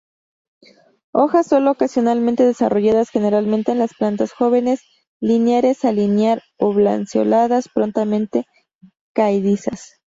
Hojas sólo ocasionalmente desarrolladas generalmente en las plantas jóvenes, lineares a linear-oblanceoladas, prontamente caedizas.